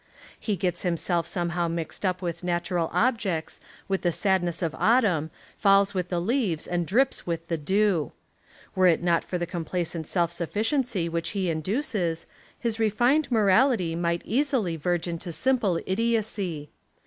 He gets himself somehow mixed up with natural objects, with the sadness of au tumn, falls with the leaves and drips with the dew. Were it not for the complacent self suf ficiency which he induces, his refined morality might easily verge into simple idiocy.